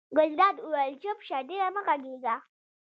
ګلداد وویل چپ شه ډېره مه غږېږه.